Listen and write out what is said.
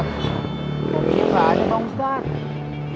kok ini enggak ada bang ustadz